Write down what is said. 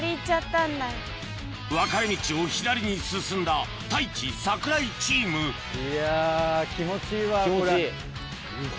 分かれ道を左に進んだ太一・櫻井チームいや気持ちいいわこれ。